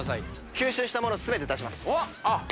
吸収したもの全て出します。